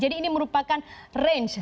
jadi ini merupakan range